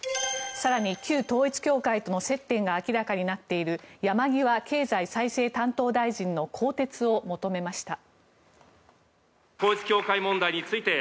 更に、旧統一教会との接点が明らかになっている山際経済再生担当大臣の更迭を求めました。